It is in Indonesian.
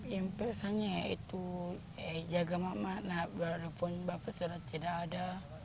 yang pesannya itu jaga mak makna walaupun bapak sudah tidak ada